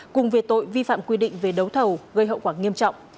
cùng về tội vi phạm quy định về đấu thầu gây hậu quả nghiêm trọng